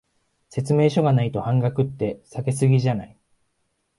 説明書がないと半額って、下げ過ぎじゃない？